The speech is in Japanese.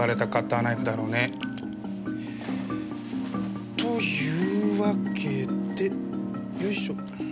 というわけでよいしょ。